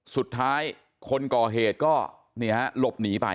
สุดท้ายคนก่อเหตุก็หลบหนีไป